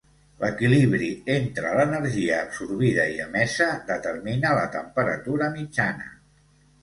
L'equilibri entre l'energia absorbida i emesa determina la temperatura mitjana.